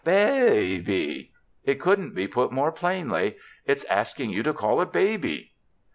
Baa aa by!' It couldn't be put more plainly. It's asking you to call it baby."